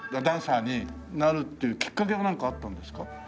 ダンサーになるっていうきっかけはなんかあったんですか？